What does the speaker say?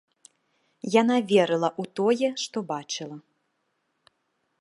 Яна верыла ў тое, што бачыла.